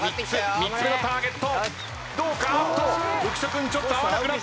４つ目のターゲット。